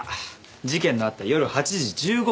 事件のあった夜８時１５分